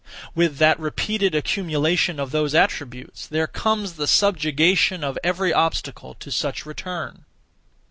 With that repeated accumulation of those attributes, there comes the subjugation (of every obstacle to such return).